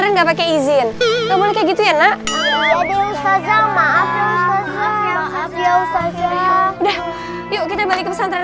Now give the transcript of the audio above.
nggak pakai izin ke gitu ya nak ya ustazah maaf ya ustazah udah yuk kita balik ke santra